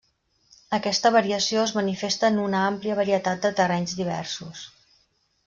Aquesta variació es manifesta en una àmplia varietat de terrenys diversos.